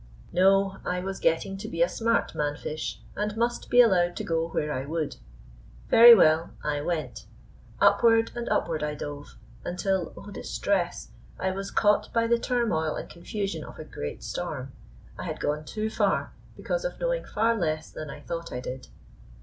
No, I was getting to be a smart man fish, and must be allowed to go where I would. Very well, I went. Upward and upward I dove, until, oh, distress! I was caught by the turmoil and confusion of a great storm. I had gone too far because of knowing far less than I thought I did.